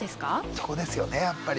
そこですよねやっぱり。